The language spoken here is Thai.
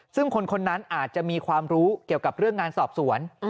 ซึ่งคนนั้นอาจจะมีความรู้เกี่ยวกับเรื่องงานสอบสวน